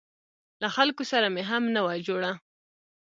له خلکو سره مې هم نه وه جوړه.